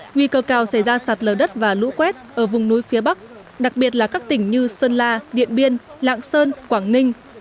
nguy cơ cao xảy ra sạt lở đất và lũ quét ở vùng núi phía bắc đặc biệt là các tỉnh như sơn la điện biên lạng sơn quảng ninh